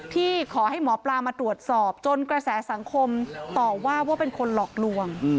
ที่ขอให้หมอปลามาตรวจสอบจนกระแสสังคมต่อว่าว่าเป็นคนหลอกลวง